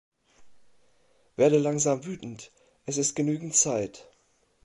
Werde langsam wütend, es ist genügend Zeit.